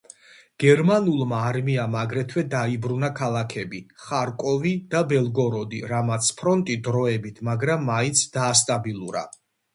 გერმანულმა არმიამ აგრეთვე დაიბრუნა ქალაქები ხარკოვი და ბელგოროდი რამაც ფრონტი დროებით, მაგრამ მაინც დაასტაბილურა.